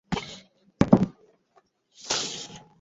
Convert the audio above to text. আরে ভাই তুমিই এখন বিখ্যাত মানুষ।